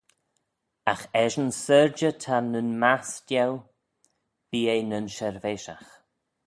Agh eshyn syrjey ta nyn mast' eu, bee eh nyn shirveishagh.